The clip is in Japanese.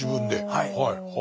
はい。